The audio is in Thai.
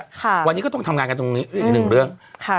ค่ะวันนี้ก็ต้องทำงานกันตรงนี้เรื่องอีกหนึ่งเรื่องค่ะ